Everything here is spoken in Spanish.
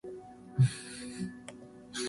Por eso...